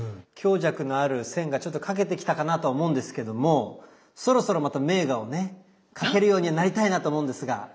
強弱のある線がちょっと描けてきたかなと思うんですけどもそろそろまた名画をね描けるようになりたいなと思うんですが。